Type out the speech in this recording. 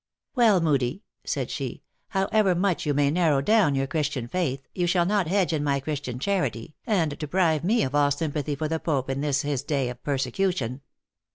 "Well, Moodie," said she, "however much you may narrow down your Christian faith, you shall not hedge in my Christian charity, and deprive me of all sympathy for the Pope in this his day of persecu tion."